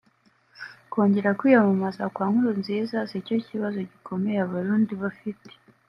Kongera kwiyamamaza kwa Nkurunziza sicyo kibazo gikomeye Abarundi bafite